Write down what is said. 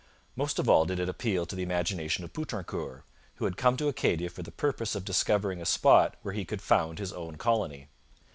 Most of all did it appeal to the imagination of Poutrincourt, who had come to Acadia for the purpose of discovering a spot where he could found his own colony.